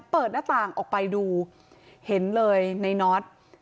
เปิดหน้าต่างออกไปดูเห็นเลยในน็อต